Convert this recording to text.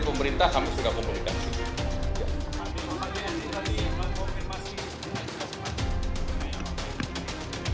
yang menurut presiden jokowi memerintahkan agar air langga nanti